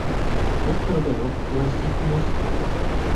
Test proběhl v lesích u Moskvy.